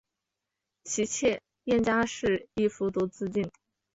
其妾燕佳氏亦服毒自尽。